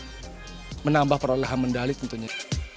dan juga bisa jadi seorang yang bisa mencari peralahan medali tentunya